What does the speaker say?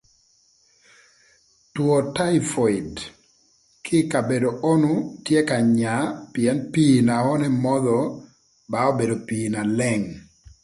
Two taipod kï ï kabedo onu tye ka nya pïën pii na onu emodho ba obedo pii na leng